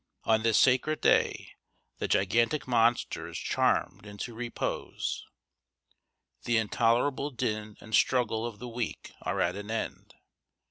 On this sacred day the gigantic monster is charmed into repose. The intolerable din and struggle of the week are at an end.